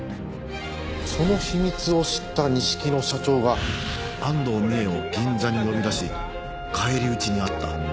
その秘密を知った錦野社長が安藤美絵を銀座に呼び出し返り討ちに遭った。